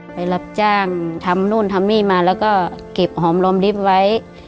รับจ้างทำนู่นทำนี่มาแล้วก็เก็บหอมลมลิฟต์ไว้